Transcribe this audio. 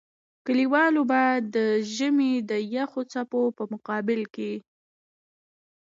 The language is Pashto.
کلیوالو به د ژمي د يخو څپو په مقابل کې.